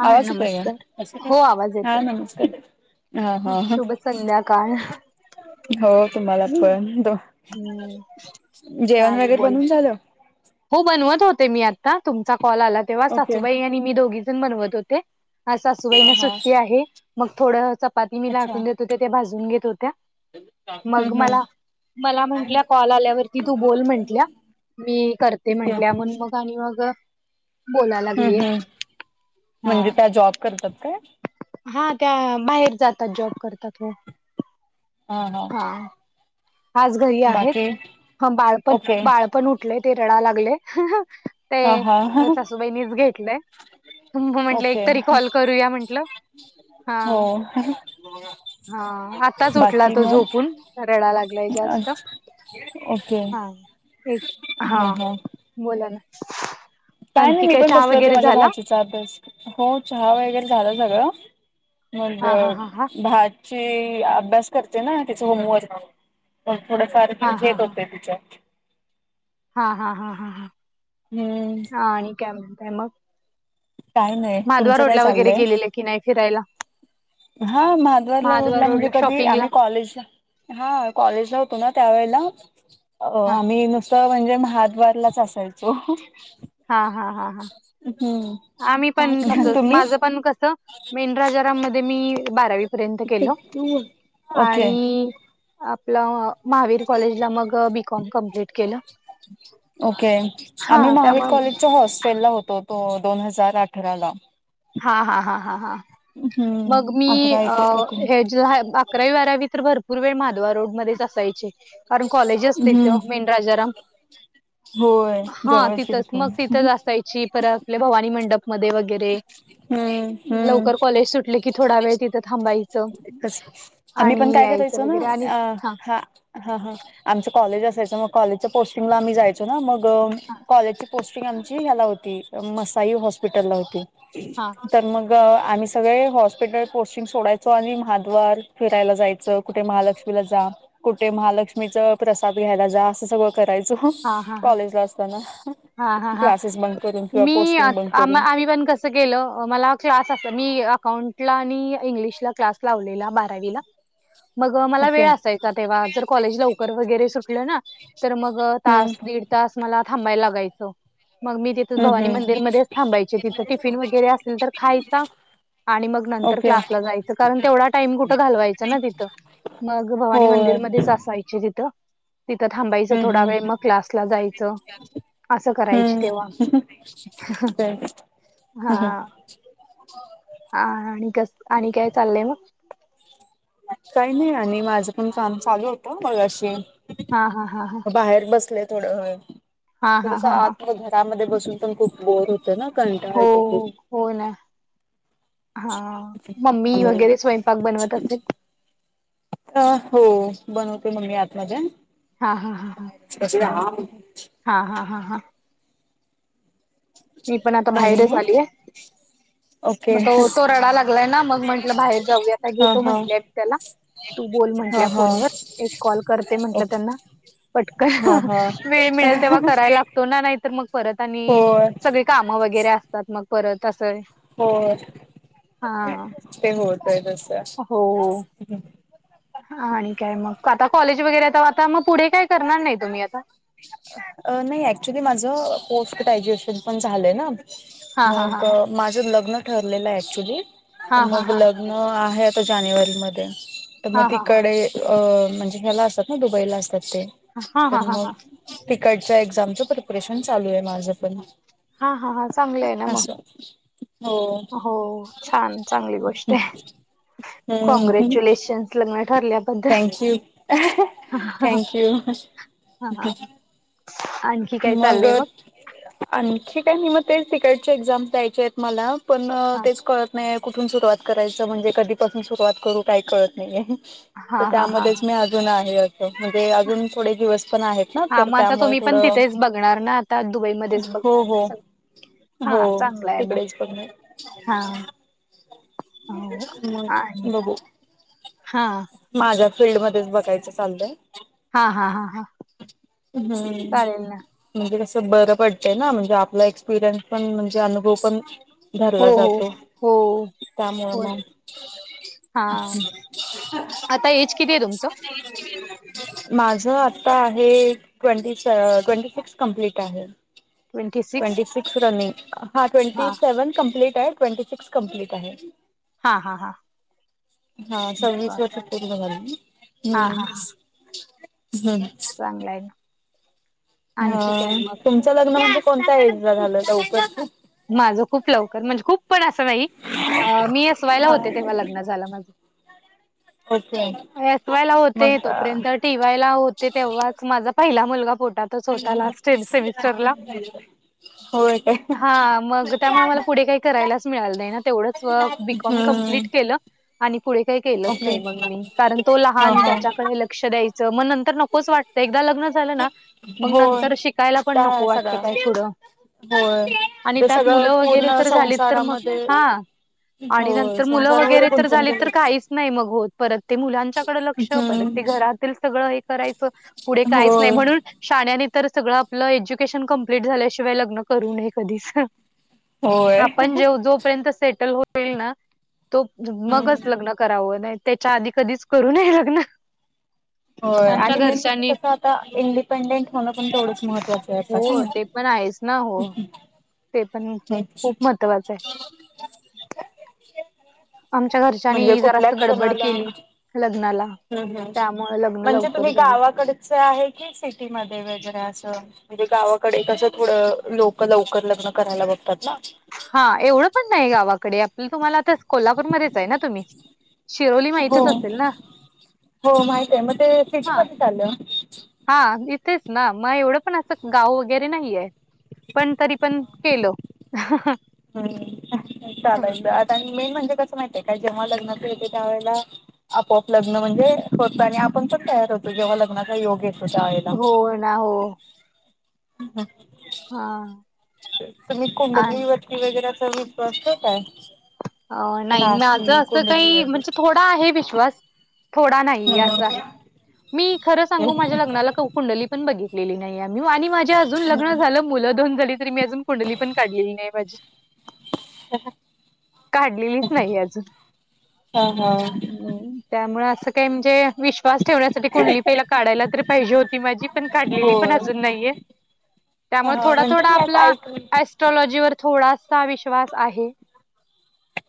हा येतोय काय? नमस्कार कस काय? हो आवाज हा येतोय नमस्कार. हा हा ह शुभ संध्याकाळ हो तुम्हाला पण दो हम्म चालेल बोला बनवून झालं? हो बनवत होते मी आता तुमचा कॉल आला तेव्हा ओके सासूबाई आणि मी दोघी जण बनवत होते. आज हा सासूबाईना हा सुट्टी आहे मग थोड च चपाती मी अच्छा लाटून देत हम्म होते त्या भाजून घेत होत्या. मग हम्म मला मला म्हंटल्या कॉल आल्यावरती तू बोल म्हंटल्या मी करते ओके म्हंटल्या हम्म म्हणून मग आणी मग बोला हम् लागलीय हम् हा म्हणजे त्या जॉब करतात काय? हा त्या बाहेर जातात जॉब करतात व हा हा. आज घरी आहेत बाकी ह बाळपण ओके बाळपण उठ उठलय ते रडा लागलय ह ह. ते हा हा मच सासूबाईनीच घेतलंय हंब म्हटलं ओके एकतरी कॉल करूया म्हंटलं. हा हो. हा आताच उठला बाकी तो मग झोपून रडाय लागलाय जास्त. ओके हा एक हा बोला ना. काय नाही आणखी मी पण चहा बसले होते वगैरे माझ्या झाला भाची च्या तच हो चहा वगैरे झाला सगळं हा हा हा हा मग भात - - ची अभ्यास करते ना तिच होमवर्क म्हणून पण थोडफार हा हा घेत होते हा तिच हा हा हा ह हम्म हा आणि काय म्हणताय मग? काय नाही माधवा तुमचं रोड काय ला वगैरे चाललंय गेलेला की नाही फिरायला? हा माधवारला महाद्वार रोडला म्हणजे कधी शॉपिंगला आम्ही कॉलेजला हा कॉलेजला होतो ना त्यावेळेला हा आम्ही नुसतं म्हणजे महाद्वारलाच असयचो हा हा हा हा हम आम्ही पण तस माझ पण कसं मेन राजारामध्ये मी बारावी पर्यंत केलं ओके आणि आपलं महावीर कॉलेजला मग बीकॉम कम्प्लीट केलं ओके हा आम्ही महावीर त्यामुळे कॉलेजच्या हॉस्टेल ला होतो तो दोन हजार अठरा ला हा हा ह ह ह हम्म मग मी अठरा एको एकोणीस हेड अकरावी बारावी तर भरपूर वेळ माधवा रोड मध्येच असायचे कारण कॉलेज हम्म असतेथे राजाराम होय हा जवळच की तिथच तिथून मग तिथच असाची ची परत आपल्या भवानी मंडप मध्ये वगैरे हम्म हम्म लवकर कॉलेज सुटले की थोडा वेळ तिथ आम्ही पण काय यायचं करायचो ना वगैरे आणि अ हा हा हा आमच कॉलेज असायचं मग कॉलेजच्या पोस्टिंगला आम्ही जायचो ना मग हा कॉलेजची पोस्टिंग आमची ह्याला होती मसाई हॉस्पिटल ला होती हा तर मग आम्ही सगळे हॉस्पिटल कोस्टिंग सोडायच ो आणि महाद्वार फिरायला जायचं कुठे महालक्ष्मीला जा कुठे महालक्ष्मीच प्रसाद घ्यायला जा असं सगळं करायचं हा हा हा कॉलेजला असताना हा हा हा क्लासेस बंक करून किंवा मी आ पोस्टिंग बंक करून आमही पण कस गेलं मला क्लास अस मी अकाउंटला आणि इंग्लिशला क्लास लावलेला बारावीला मग मला ओके वेळ असायचा तेव्हा जर कॉलेज लवकर वगैरे सुटलं ना तर मग हम्म तास दीड तास मला थांबायला लागायचं मग मी हम्म भवानी हम्म मंदिरमध्येध्येच थांबायचे तिथं टिफिन वगैरे असेल तर खायचा आणि मग नंतर ओके क्लासला जायचं कारण तेवढा टाईम कुठं घालवायचां ना तिथं मग भवानी होय मंदिरमध्येध्येच असायचे तिथं तिथं थांबायचं हम्म थोडा हम्म वेळ मग क्लासला जायचं असं करायची हम्म तेव्हा हम् हम हा हो हा आणि कस आणि काय चाललंय मग काही नाही आणि माझं पण काम चालू होतं मग अशी हा हा हा हा बाहेर बसले हा हा थोडंस हा हा आत घरामध्ये बसून पण खूप बोर होत ना का हो हो ना हा मम्मी त्यामुळे वगैरे स्वयंपाक बनवत असेल हो बनवते मम्मी आत मज्या हा हा हा हा कसे ह हा हा हा हा मी पण आता आणि बाहेरच मग आलीय ओके मग तो तो हा रडा लागलाय ना मग म्हंटलं बाहेर जाऊ आता घेतो हा म्हटलेय मी त्याला तू बोल हा म्हंटल्या हा फोनवर एक कॉल करते म्हंटलं ओके त्यांना हा पटकन हा वेळ मिळेल तेव्हा करायला लागतो ना नाहीतर मग परत आणि होय काम वगैरे असतात मग परत असं हो हा ते होत आहे तसं हो आणि काय मग आता कॉलेज वगैरे तर आता मग पुढे काय करणार नाही तुम्ही आता नाही ऍक्च्युली माझ पोस्ट ग्राज्युएशन पण झालंय ना हा हा हा मग माझ लग्रक्चुली हा हा हा आहे आता जानेवारी म तर मग हा हा हा तिकडे अ म्हणजे ह्याला असतात ना दुबईला असतात ते हा हा तर मग तिकडच्या एक्झामचं प्रिपरेशन चालू आहे माझं पण हा हा हा चांगलंय ना मग असं हो हो छान चांगली गोष्ट आहे हम्म कॉँग्रॅच्युलेशन लग्न ठरल्या प थँक यू थँक यू हा अ मग आणखी काय म म ते तिकडचे एक्झाम्स द्यायच्या आहेत मला पण हा तेच कळत नाही कुठून सुरुवात करायचं म्हणजे कधीपासून सुरुवात करू काही कळत नाहीय तर हा हा हा त्यामध्येच मी अजून आहे म्हणजे अजून थोडे दिवस पण आहेत ना हा तर मग आता त्यामुळे तुम्ही पण थोडं तिथेच बघणार ना आ दुबईमध्येच हो बघणार नाही हो सगळ हो तिकडेच पण हा हो मग आणि बघू हा माझ्या फिल्डमध्येध्येच बघायच चालतय हा हा हा हा हम्म चालेल ना म्हणजे कसं बरं पडतय ना म्हणजे आपला एक्सपिरियन्स पण म्हणजे अनुभव पण हो धरला हो जातो हो त्यामुळे हो मग ना हा आता एज किती आहे तुमचं माझ आता आहे ट्वेंटी ट्वेंटी सिक्स कंप्लीट आहे ट्वेंटी सिक्स रनिंग हा ट्वेंटी सेव्हन कंप्लीट आहे ट्वेंटी सिक्स कम्प्लीट आहे हा हा हा हा बर हम् हा हम् चांगलाय ना हा आणखी काय मग तुमच्या लग्न म्हण कोणत्या एज ला झालं उक माझं खूप लवकर म्हणजे खूप पण असं नाही मी असवायला होते तेव्हा लग्ना झालं ओके मी अस वायला मग होते तोपर्यंत ठीक ठवायला होते तेव्हाच माझा पहिला मुलगा पोटात हो का हा मग त्यामुळे मला पुढे काही करायलाच मिळालं नाही ना तेवढंच व बीकॉम हम्म कमप्लीट केलं आणि पुढे काही केलंच ओके नाही मग मी कारण तो हा लहान हा त्याच्याकडे लक्ष द्यायचं मग तर नकोच वाटत एकदा लग्न झालं ना मग होय नंतर शिकायला पण नको वाटतं काय पुढं हो आणि त्यात मुलं वगैरे तर झालीत तर मग हा आणि होय नंतर मुलं संसारामध्ये वगैरे तर गुंतून झाली तर गेलेत काहीच नाही मग होत परत ते मुलांच्याकडे लक्ष परत ते घरात सगळं हे करायचं पुढे हम्म काहीच नाही होय. म्हणून शाण्यानी तर सगळं आपलं एज्युकेशन कं्प्लीट झाल्याशिवाय लग्न करू नये कधीच होय. आपण जे जोपर्यंत सेटल होईल ना तो हम्म. मगच लग् करावं नाही त्याच्या आधी कधीच करू ने लग्न हो आमच्या आणि मेन म्हणजे घरच्यांनी कसं आता इंडिपेंडेंट होणं पण तेवढंच महत्वाचं आहे हो अससं ना. ते पण आहेच हो ते पण खूप महत्त्वाचं आहे. ह आमच्या घरच्यानी जरा असं गडबड केली लग्नाला ह् ह् त्यामुळे लग्न म्हणजे तुम्ही लवकर झालं गावाकडच आहे कि सिटीमध्येध्ये वगैरे असं. म्हणजे गावाकडे कसं थोडं लोक लवकर लग्न करायला बघतात ना. हा एवढं पण नाही गावाकडे आपलं तुम्हाला आता कोल्हापूरमध्येध्येच आहे ना तुम्ही शिरोली हो माहितच असेल ना हो माहित आहे मग ते हा सिटीमध्येध्ये झालं. हा इथेच ना मग एवढं पण असं गाव वगैरे नाहीय. पण तरी पण केल. हम् चालायचं आता मेन म्हणजे कसं माहितय काय जेव्हा लग्नात येत त्या वेळेला आपोआप लग्न म्हणजे होतं आणि आपण पण तयार होतो जेव्हा लग्नाचा योग आहे. होणा हो. ह हम हा तुम्ही आ- कुंडली वरती वगैरेचा विश्वास ठेवताय काय? अ नाही माझं असं काही म्हणजे थोडं आहे विश्वास थोडा नाही अस आहे मी खरं सांगू माझ्या लग्नाला कौ कुंङली पण बघितलेली नाही आम्ही आणि माझ्या अजून लग्न झालं मुलं दोन झाली तरी मी अजून कुंडली पण काढलेली नाही माझी अ काढलेलीच नाही अजून ह ह ह्म त्यामुळे असं काय म्हणजे विश् श्वास ठेवण्यासाठी कुणली पहिला काढायला तरी पाहिजे होती माझी पण काढलेली पण होय अजून नाहीये. त्यामुळे हा थोडा म्हणजे थोडा मी असं आपला ऐकलं ऍस्ट्रॉलॉजीवरर थोडासा विश्वास आहे.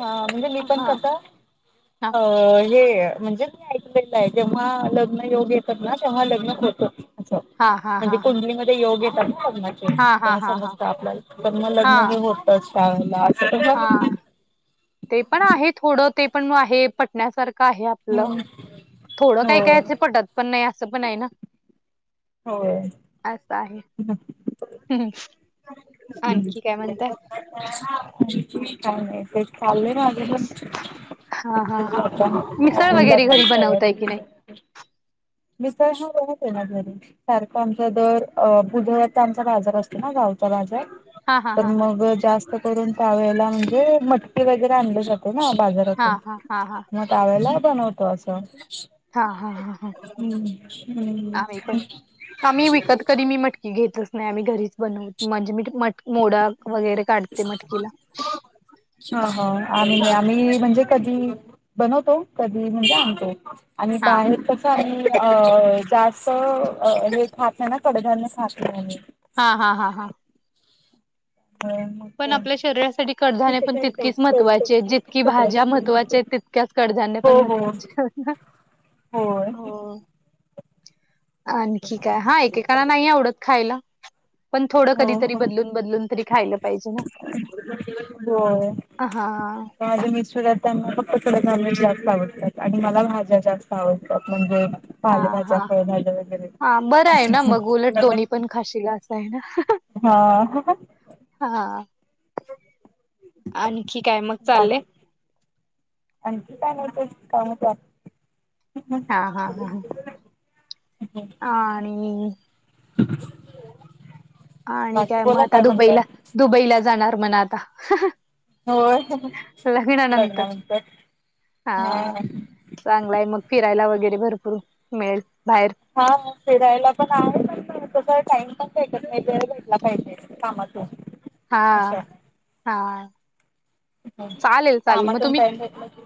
हा म्हणजे मी हा पण कस हा अ हे म्हणजे मी ऐकलेलं आहे जेव्हा लग्न योग येतात ना तेव्हा लग्न होतं. अच्छा हा हा म्हणजे हा हा कुंडलीमध्ये योग येतात ना. हा हा हा समजत आपल्या ब लग्न हा हे होत शाळेला असं पण हा ते पण आहे थोडं ते पण मग आहे पटण्यासारखं आहे. हम्म थोडं काही होय काय असं पटत. पण नाही असं पण आहे ना होय. असं आहे. हम् आणखी काय म्हणताय. चा ते चाले ना. हा हा हा मिसळ ला वगैरे घरी बनवताय तयारी की नाही विसर्श करते ना घरी सारखं आमचा दर बुधळ्याचा आमचा बाजार असतो ना गावचा बाजार हा हा तर हा हा मग जास्त करून त्या वळेला म्हणजे मटकी वगैरे आणली जाते ना हा बाजारात हा हा हा मग टवेला पण होतो असं. हा हा हा हा हम्म हम् आम्ही पण आम्ही विकत कधी मी मटकी घेतच नाही आम्ही घरीच बनव म्हणजे मी मट मोडा वगैरे काढते मटकीला हा ह हा आ आम्ही म्हणजे कधी बनवतो कधी म्हणजे आणतो आणि हा बाहे अ जास्त हे खात नाही ना कडधान्य खात नाही म हा हा हा हा हा पण आपल्या शरीरासाठी कडधाने पण तितकीच महत्वाचे जितकी भाज्या महत्वाच्या ते तित च कडजानने पण हो महत्वाचे हो आणखी काय हा एकेकाना नाही आवडत खायला पण थोडं हो कधी तरी बदलून बदलून तरी खायलं हो हा माझे मिशातना फक्त कड नॉनवेज जास्त आवडतात आणि मला भाज्या जास्त आवडतात म्हणजे हा पालभाज्या हा फळ भाज वगैरे हा बरं अस आहे ना मग उलट दोन्ही पण खाशीला असं आहे ना हा हा आणखी काय मग चाललेय बाकी आणखी काणी त कात हा हा हा हम् ह आणि आणि बाकी काय मग बोला आता म्हणताय दुबईला दुबईला जाणार मण आता होय लग्नानंतर हा चांगलाय मग फिरायला वगैरे भरपूर मिळेल बाहेर हा फिरायला पण आहे तस टाइम पण पाज व भेटला पाहिजे थमतो हा हा चालेल चालेल मग कामातून तुम्ही टाइम भेटला की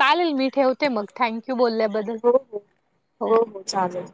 चालेल मी ठेवते मग थँक्यू बोलल्याबद्दल हो हो हो हो चालेल